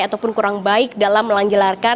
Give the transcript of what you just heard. ataupun kurang baik dalam menjelarkan